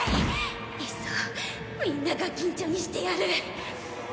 いっそみんなガキンチョにしてやる！